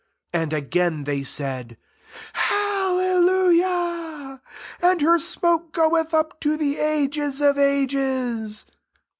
3 (And again they said, '^^ Hallelujah :') and her smoke goeth up to the ages of ages."